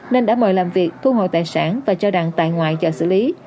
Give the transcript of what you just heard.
nên đã mời làm việc thu hồi tài sản và cho đặng tại ngoại cho xử lý